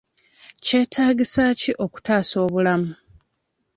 Kyetaagisa ki okutaasa obulamu?